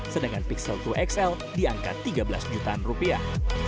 sedangkan pixel dua xl diangkat tiga belas jutaan rupiah